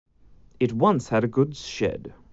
It once had a goods shed.